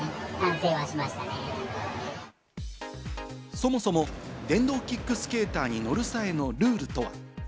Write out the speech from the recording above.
そもそも電動キックスケーターに乗る際のルールとは？